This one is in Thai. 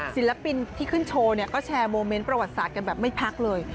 ศิลปินที่ขึ้นโชว์เนี่ยก็แชร์โมเมนต์ประวัติศาสตร์กันแบบไม่พักเลย